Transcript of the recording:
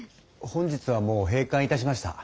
本日はもう閉館いたしました。